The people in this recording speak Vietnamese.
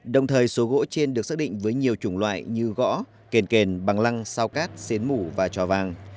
đồng thời số gỗ trên được xác định với nhiều chủng loại như gõ kền bằng lăng sao cát xến mủ và trò vàng